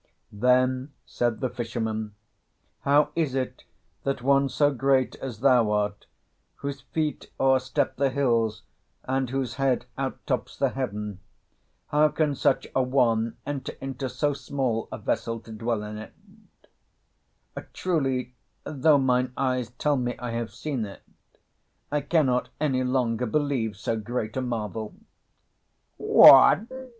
Then said the fisherman, "How is it that one so great as thou art, whose feet o'er step the hills and whose head out tops the heaven how can such an one enter into so small a vessel to dwell in it? Truly, though mine eyes tell me I have seen it, I cannot any longer believe so great a marvel." "What?"